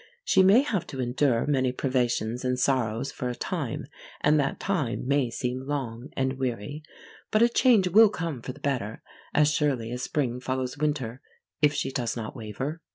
She may have to endure many privations and sorrows for a time, and that time may seem long and weary, but a change will come for the better as surely as spring follows winter, if she does not waver.